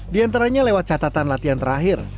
di antaranya lewat catatan latihan terakhir